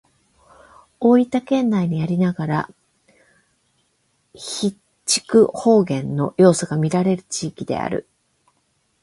大分県内にありながら肥筑方言の要素がみられる地域である。